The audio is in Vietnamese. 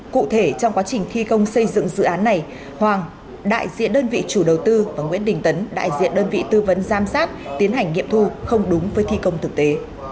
cụ thể trong quá trình thi công xây dựng dự án này hoàng đại diện đơn vị chủ đầu tư và nguyễn đình tấn đại diện đơn vị tư vấn giám sát tiến hành nghiệm thu không đúng với thi công thực tế